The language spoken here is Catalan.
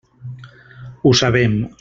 Ho sabem.